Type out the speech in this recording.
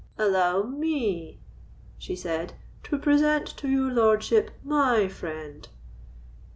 "Allow me," she said, "to present to your lordship my friend."